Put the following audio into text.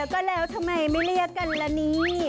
ก็แล้วทำไมไม่เรียกกันละนี่